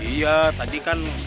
iya tadi kan